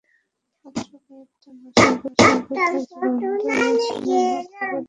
মাত্র কয়েকটা মাস আগে তাঁর জীবনটা এমন ছিল না, খুব এলোমেলো ছিল।